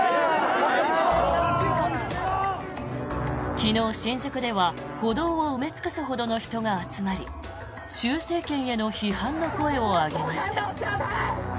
昨日、新宿では歩道を埋め尽くすほどの人が集まり習政権への批判の声を上げました。